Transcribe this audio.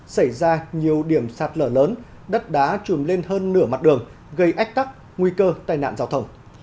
xảy ra nhiều điểm sạt lở lớn đất đá trùm lên hơn nửa mặt đường gây ách tắc nguy cơ tai nạn giao thông